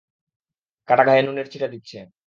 কাটা ঘায়ে নুনের ছিটা দিচ্ছে!